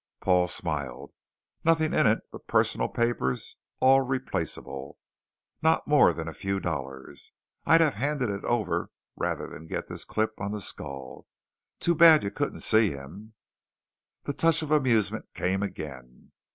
Paul smiled. "Nothing in it but personal papers all replaceable. Not more than a few dollars. I'd have handed it over rather than get this clip on the skull. Too bad you couldn't see him." The touch of amusement came again.